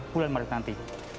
bulan maret nanti